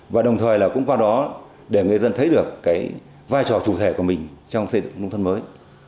và đồng thời là cũng qua đó để người dân thấy được cái vai trò chủ thể của mình trong xây dựng nông thôn mới